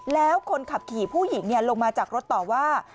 แล้วคนขับขี่ผู้หญิงลงมาจากรถต่อว่า